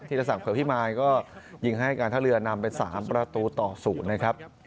ที่จะสั่งเผื่อพี่มายก็ยิงให้การเท้าเรือนำเป็นสามประตูต่อศูนย์นะครับ